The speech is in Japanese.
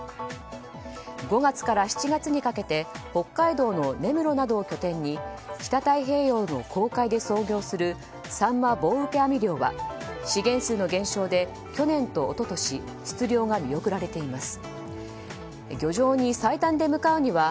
５月から７月にかけて北海道の根室などを拠点に北太平洋の公海で操業するサンマ棒受け網漁は資源数の減少で去年と一昨年出漁が見送られています。